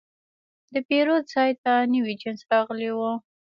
د پیرود ځای ته نوی جنس راغلی و.